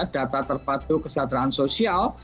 data terpatu kesejahteraan sosial